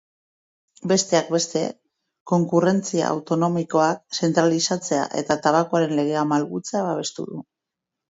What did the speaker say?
Besteak beste, konkurrentzia autonomikoak zentralizatzea eta tabakoaren legea malgutzea babestu du.